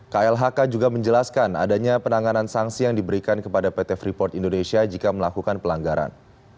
klhk juga menjelaskan adanya penanganan sanksi yang diberikan kepada pt freeport indonesia jika melakukan pelanggaran